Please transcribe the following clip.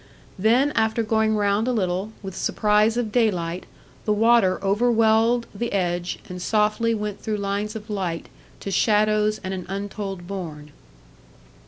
Then, after going round a little, with surprise of daylight, the water overwelled the edge, and softly went through lines of light to shadows and an untold bourne.